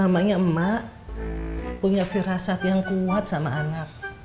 namanya emak punya firasat yang kuat sama anak